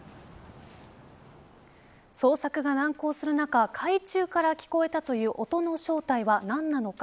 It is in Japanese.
捜索が難航する中、海中から聞こえたという音の正体は何なのか。